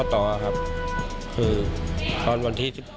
แฟนพร้อมพาลูกสาวไปกินหัวข้าวสีที่